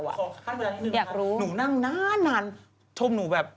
ขั้นมือหน่อยให้ดูหนูนั่งหน้านานชมหนูแบบ